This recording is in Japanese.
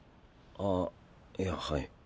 あっいやはい。